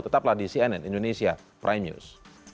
tetaplah di cnn indonesia prime news